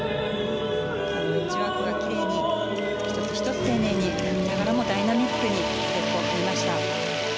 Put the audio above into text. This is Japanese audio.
エッジワークがきれいに１つ１つ丁寧に行いながらもダイナミックにステップを踏みました。